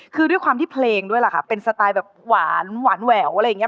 คือด้วยความที่เพลงด้วยล่ะค่ะเป็นสไตล์แบบหวานแหววอะไรอย่างนี้